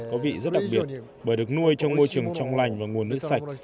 có vị rất đặc biệt bởi được nuôi trong môi trường trong lành và nguồn nước sạch